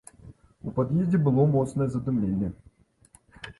У пад'ездзе было моцнае задымленне.